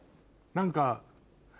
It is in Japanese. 何か。